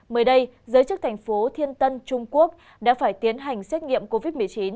mới đây giới chức thành phố thiên tân trung quốc đã phải tiến hành xét nghiệm covid một mươi chín